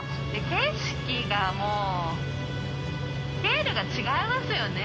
景色がもう、スケールが違いますよね